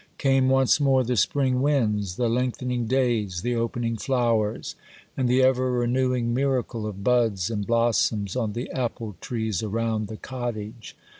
Came once more the spring winds, the lengthening days, the opening flowers, and the ever renewing miracle of buds and blossoms on the apple trees around the cottage.